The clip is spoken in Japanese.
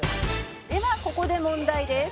「ではここで問題です」